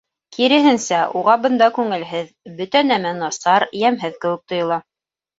Киреһенсә, уға бында күңелһеҙ, бөтә нәмә насар, йәмһеҙ кеүек тойола.